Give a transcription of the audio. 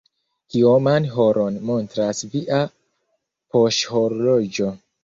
Kioman horon montras via poŝhorloĝo?